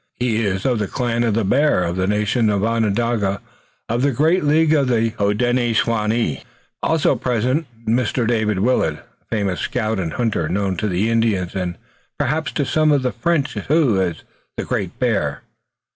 He is of the clan of the Bear, of the nation Onondaga, of the great League of the Hodenosaunee. I also present Mr. David Willet, a famous scout and hunter, known to the Indians, and perhaps to some of the French, too, as the Great Bear.